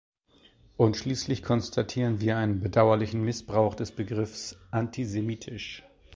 Und schließlich konstatieren wir einen bedauerlichen Missbrauch des Begriffs "antisemitisch" .